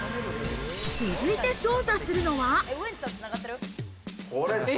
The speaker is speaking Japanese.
続いて捜査するのは。